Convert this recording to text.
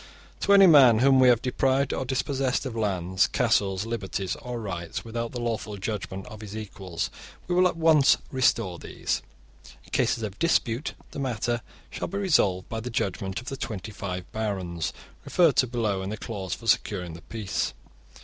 * To any man whom we have deprived or dispossessed of lands, castles, liberties, or rights, without the lawful judgement of his equals, we will at once restore these. In cases of dispute the matter shall be resolved by the judgement of the twenty five barons referred to below in the clause for securing the peace.